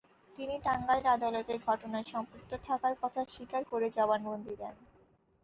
তিনি টাঙ্গাইলের আদালতে ঘটনায় সম্পৃক্ত থাকার কথা স্বীকার করে জবানবন্দি দেন।